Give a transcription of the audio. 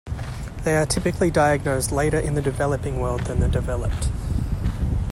They are typically diagnosed later in the developing world than the developed.